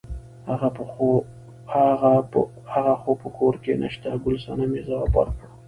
هغه خو په کور کې نشته ګل صمنې ځواب ورکړ.